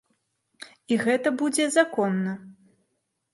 І гэта будзе законна.